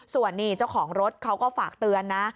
ส่วนนี่เจ้าของรถเขาก็ฝากเตือนนะ